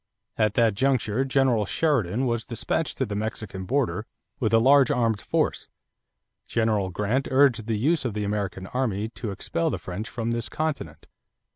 At that juncture General Sheridan was dispatched to the Mexican border with a large armed force; General Grant urged the use of the American army to expel the French from this continent.